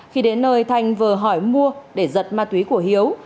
khi đến nơi thanh vừa hỏi mua để giật ma túy của hiếu